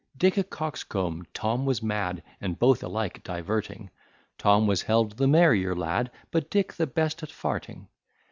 Dick a coxcomb, Tom was mad, And both alike diverting; Tom was held the merrier lad, But Dick the best at farting.